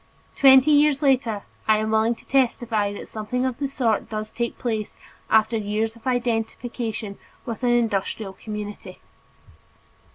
Twenty years later I am willing to testify that something of the sort does take place after years of identification with an industrial community.